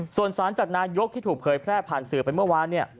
ส่วนสารจากนายกที่ถูกเผยแพร่ผ่านสื่อไปเมื่อวานเนี่ย